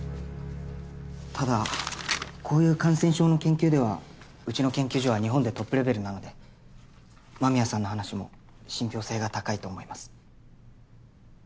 ただこういう感染症の研究ではうちの研究所は日本でトップレベルなので間宮さんの話も信憑性が高いと思います。